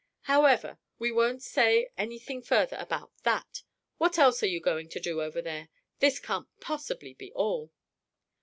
"However, we won't say anything further about that! What else are you going to do over there? This can't possibly be all!"